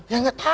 ya nggak tahu